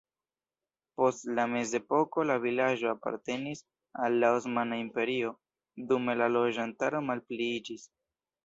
Post la mezepoko la vilaĝo apartenis al la Osmana Imperio, dume la loĝantaro malpliiĝis.